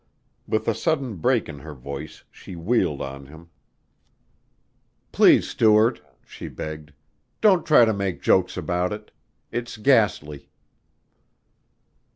With a sudden break in her voice she wheeled on him. "Please, Stuart," she begged, "don't try to make jokes about it. It's ghastly."